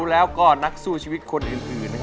แล้วก็นักสู้ชีวิตคนอื่น